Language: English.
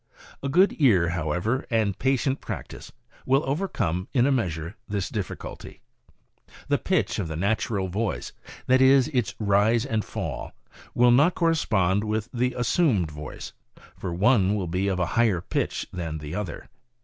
A good ear, however, and patient practice, will overcome, in a measure, this difficulty. The pitch of the natural voice — that is, its rise and fall — will not correspond with the assumed voice, for one will be of a higher pitch than the other.